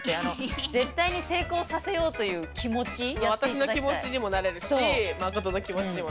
私の気持ちにもなれるし誠の気持ちにもなれるし。